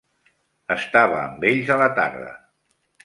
Estava amb ells a la tarda.